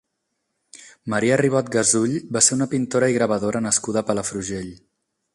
Maria Ribot Gasull va ser una pintora i gravadora nascuda a Palafrugell.